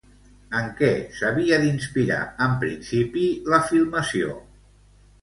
En què s'havia d'inspirar, en principi, la filmació?